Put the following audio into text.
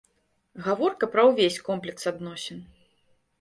Гаворка пра ўвесь комплекс адносін.